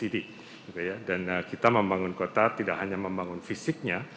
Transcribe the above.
dan kita membangun kota tidak hanya membangun fisiknya